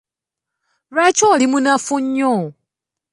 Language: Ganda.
Lwaki oli munafu nnyo?